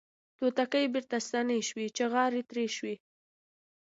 توتکۍ بیرته ستنې شوې چغار تیر شو